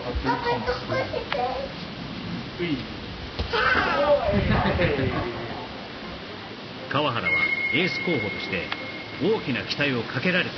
わーっおい川原はエース候補として大きな期待をかけられた